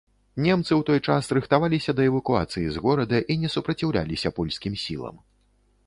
Немцы ў той час рыхтаваліся да эвакуацыі з горада і не супраціўляліся польскім сілам.